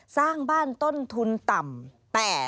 สร้างบ้านต้นทุนต่ำ